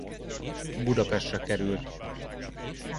Budapestre került.